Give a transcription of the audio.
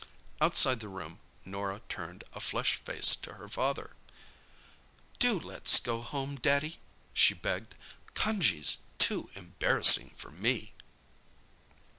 Outside the room Norah turned a flushed face to her father. "Do let's go home, Daddy," she begged. "Cunjee's too embarrassing for me!"